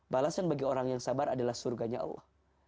balasan bagi orang yang sabar adalah surganya allah